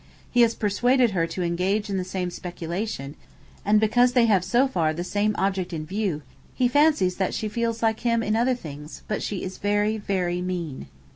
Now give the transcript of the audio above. He has persuaded her to engage in the same speculation, and because they have so far the same object in view, he fancies that she feels like him in other things; but she is very, very mean.